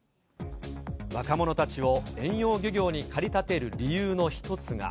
若者たちを遠洋漁業に駆り立てる理由の一つが。